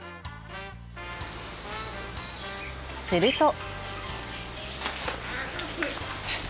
すると。